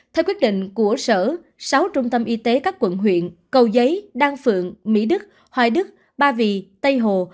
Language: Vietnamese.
theo quyết định của sở sáu trung tâm y tế các quận huyện cầu giấy đan phượng mỹ đức hoài đức ba vì tây hồ